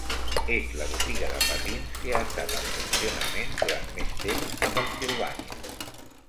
És la botiga de patins que ha estat en funcionament durant més temps a Pennsilvània.